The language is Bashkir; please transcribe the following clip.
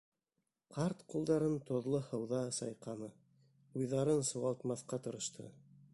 Ҡарт ҡулдарын тоҙло һыуҙа сайҡаны: уйҙарын сыуалтмаҫҡа тырышты.